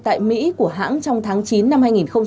tại mỹ của hãng trong tháng chín năm hai nghìn hai mươi